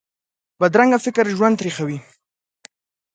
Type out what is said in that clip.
بدرنګه فکرونه ژوند تریخوي